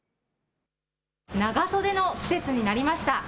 長袖の季節になりました。